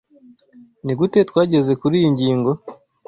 Nigute twageze kuriyi ngingo?